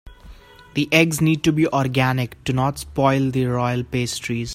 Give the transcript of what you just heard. The eggs need to be organic to not spoil the royal pastries.